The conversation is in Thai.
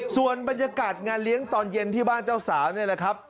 ส่วนบรรยากาศงานเลี้ยงตอนเย็นที่บ้านเจ้าสาวนี่แหละครับ